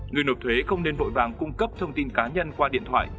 người nộp thuế không nên vội vàng cung cấp thông tin cá nhân qua điện thoại